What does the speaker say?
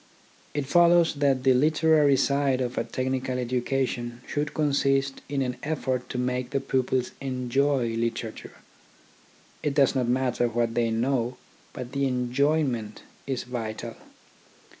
It follows that the literary side of a technical education should consist in an effort to make the pupils enjoy literature. It does not matter what they know, but the enjoyment is vital.